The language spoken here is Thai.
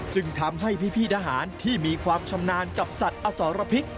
จึงทำให้พี่ทหารที่มีความชำนาญกับสัตว์อสรพิษ